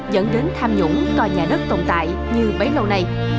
dẫn đến tham nhũng tòa nhà đất tồn tại như bấy lâu nay